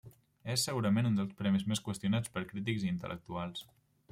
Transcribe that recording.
És, segurament un dels premis més qüestionats per crítics i intel·lectuals.